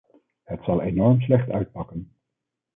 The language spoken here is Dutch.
Het zal enorm slecht uitpakken.